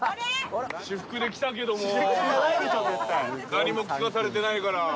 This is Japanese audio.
何も聞かされてないから。